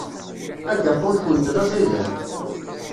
Agaṭu-nkent d aẓidan.